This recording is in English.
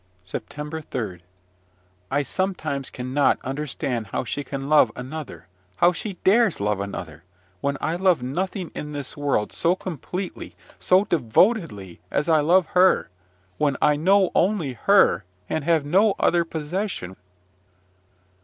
SEPTEMBER 3. I sometimes cannot understand how she can love another, how she dares love another, when I love nothing in this world so completely, so devotedly, as I love her, when I know only her, and have no other possession.